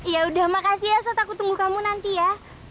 ya udah makasih ya saya takut tunggu kamu nanti ya